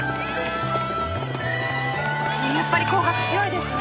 やっぱり皇學強いですね・